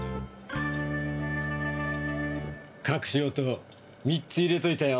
かくし音３ついれといたよ。